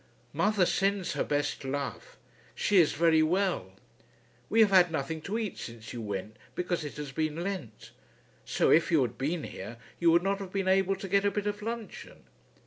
Mother sends her best love. She is very well. We have had nothing to eat since you went because it has been Lent. So, if you had been here, you would not have been able to get a bit of luncheon.